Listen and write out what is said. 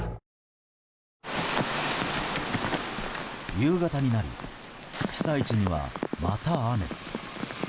夕方になり被災地には、また雨。